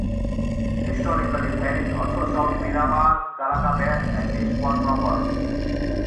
Historically ferries also served Miramar, Karaka Bay, and Eastbourne proper.